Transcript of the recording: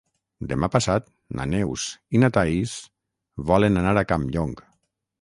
Demà passat na Neus i na Thaís volen anar a Campllong.